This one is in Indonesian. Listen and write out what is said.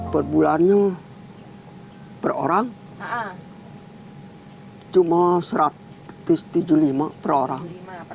per bulannya per orang cuma satu ratus tujuh puluh lima per orang